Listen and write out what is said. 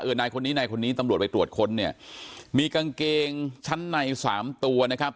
นายคนนี้นายคนนี้ตำรวจไปตรวจค้นเนี่ยมีกางเกงชั้นในสามตัวนะครับ